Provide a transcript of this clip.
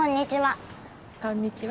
こんにちは。